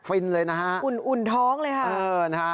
ฟินเลยนะฮะอุ่นท้องเลยฮะอืมนะฮะ